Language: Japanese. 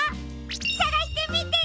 さがしてみてね！